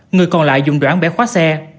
người còn lại dùng đoạn bẻ khóa xe